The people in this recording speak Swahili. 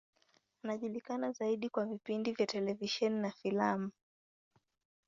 Anajulikana zaidi kwa vipindi vya televisheni na filamu.